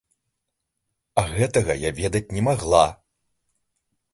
А гэтага я ведаць не магла.